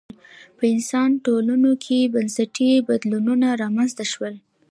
په انسان ټولنو کې بنسټي بدلونونه رامنځته شول